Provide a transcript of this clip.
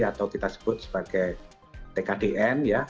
atau kita sebut sebagai tkdn ya